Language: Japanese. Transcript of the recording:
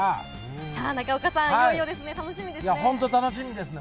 さあ、中岡さん、いよいよで本当、楽しみですね。